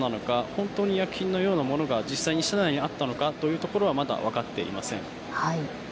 本当に薬品のようなものなのか、実際に車内にあったのかということはまだ分かっていません。